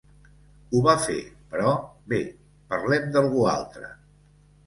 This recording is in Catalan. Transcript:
Ho va fer, però, bé, parlem d'algú altre.